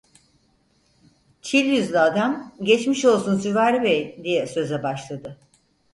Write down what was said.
Çil yüzlü adam: "Geçmiş olsun Süvari Bey!" diye söze başladı.